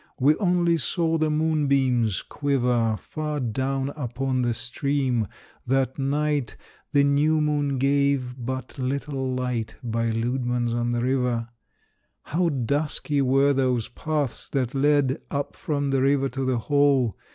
We only saw the moonbeams quiver Far down upon the stream! that night The new moon gave but little light By Leudemann's on the River. How dusky were those paths that led Up from the river to the hall.